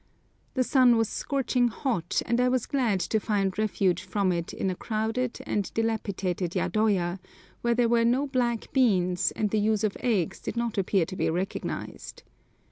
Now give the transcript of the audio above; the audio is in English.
The sun was scorching hot, and I was glad to find refuge from it in a crowded and dilapidated yadoya, where there were no black beans, and the use of eggs did not appear to be recognised.